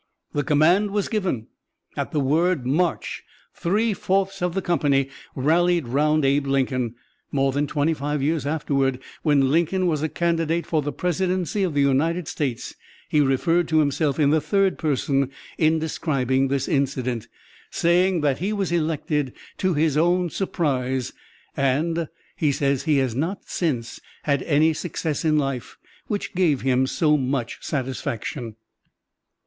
The command was given. At the word, "March," three fourths of the company rallied round Abe Lincoln. More than twenty five years afterward, when Lincoln was a candidate for the presidency of the United States, he referred to himself in the third person in describing this incident, saying that he was elected "to his own surprise," and "he says he has not since had any success in life which gave him so much satisfaction."